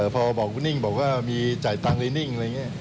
พอบอกว่านิ่งบอกว่ามีจ่ายตังค์เลยนิ่ง